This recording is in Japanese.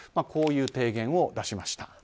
こういう提言を出しました。